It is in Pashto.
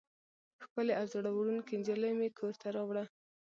ښکلې او زړه وړونکې نجلۍ مې کور ته راوړه.